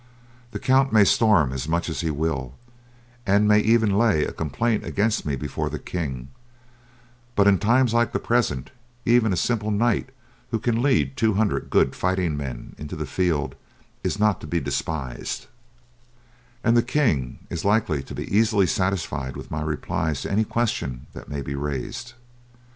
The count may storm as much as he will, and may even lay a complaint against me before the king; but in times like the present, even a simple knight who can lead two hundred good fighting men into the field is not to be despised, and the king is likely to be easily satisfied with my replies to any question that may be raised.